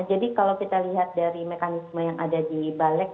jadi kalau kita lihat dari mekanisme yang ada di balik